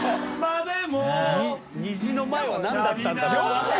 「虹」の前は何だったんだろうな？）